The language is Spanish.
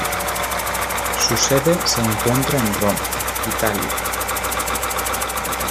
Su sede se encuentra en Roma, Italia.